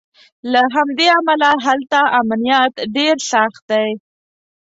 له همدې امله هلته امنیت ډېر سخت دی.